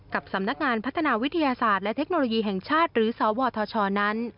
สำนักงานพัฒนาวิทยาศาสตร์และเทคโนโลยีแห่งชาติหรือสวทชนั้น